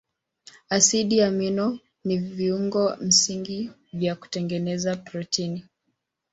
Asidi amino ni viungo msingi vya kutengeneza protini.